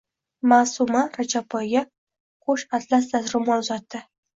Maʼsuma Rajabboyga koʼsh atlas dastroʼmol uzatdi.